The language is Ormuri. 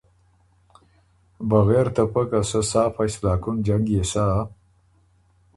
بغېر ته پۀ که سۀ سا فیصله کُن جنګ يې سَۀ